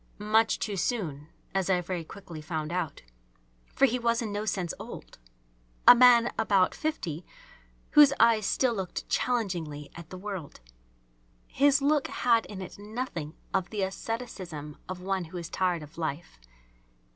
Much too soon, as I very quickly found out. For he was in no sense old. A man about fifty whose eyes still looked challengingly at the world. His look had in it nothing of the asceticism of one who is tired of life.